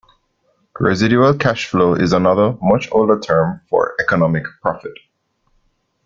Residual cash flow is another, much older term for economic profit.